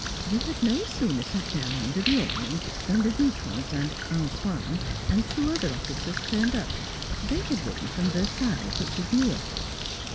We had no sooner sat down under the awning than the Vicomte and "Antoine" and two other officers turned up. They had ridden from Versailles, which is near.